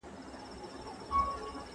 ¬ د مېلمه جواب پاتى دئ.